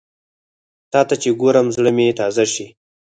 تاته چې ګورم، زړه مې تازه شي